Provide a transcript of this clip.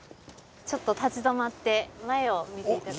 ちょっと立ち止まって前を見て頂くと。